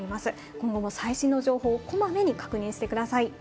今後も最新の情報をこまめに確認してください。